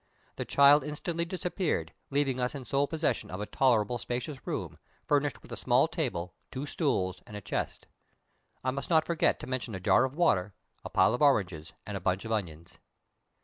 The child instantly disappeared, leaving us in sole possession of a tolerably spacious room, furnished with a small table, two stools, and a chest. I must not forget to mention a jar of water, a pile of oranges, and a bunch of onions.